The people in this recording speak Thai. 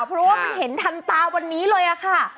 เพราะว่ามันเห็นทันตาวันนี้เลยค่ะ